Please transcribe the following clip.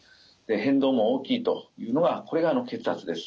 変動も大きいというのがこれが血圧です。